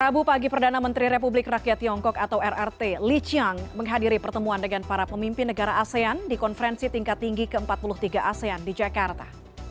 rabu pagi perdana menteri republik rakyat tiongkok atau rrt lee chiang menghadiri pertemuan dengan para pemimpin negara asean di konferensi tingkat tinggi ke empat puluh tiga asean di jakarta